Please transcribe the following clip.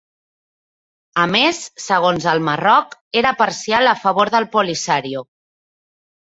A més, segons el Marroc, era parcial a favor del Polisario.